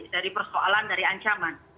dari persoalan dari ancaman